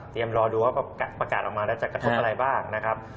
รอดูว่าประกาศออกมาแล้วจะกระทบอะไรบ้างนะครับ